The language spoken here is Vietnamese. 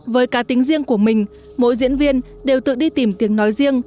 với cá tính riêng của mình mỗi diễn viên đều tự đi tìm tiếng nói riêng